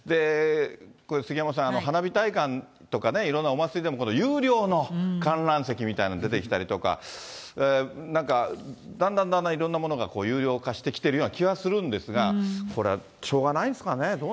これ、杉山さん、花火大会とかね、いろんなお祭りとかでも有料の観覧席みたいなの出てきたりとか、なんかだんだんだんだんいろんなものが有料化してきてるような気はするんですが、これはしょうがないんですかね。